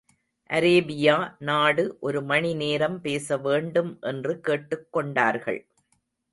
Arabia நாடு ஒரு மணி நேரம் பேசவேண்டும் என்று கேட்டுக் கொண்டார்கள்.